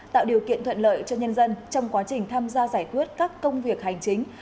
tạo điều kiện thuận lợi cho nhân dân trong quá trình tham gia giải quyết các công việc hành chính